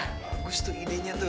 bagus tuh idenya tuh